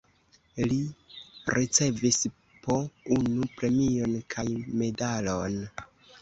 Li ricevis po unu premion kaj medalon.